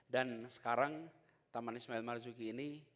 dan sekarang taman ismail marzuki ini